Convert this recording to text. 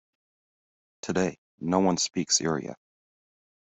Today, no one speaks Irraya.